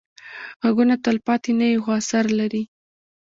غږونه تلپاتې نه وي، خو اثر لري